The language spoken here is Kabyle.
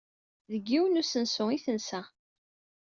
Deg yiwen n usensu ay tensa.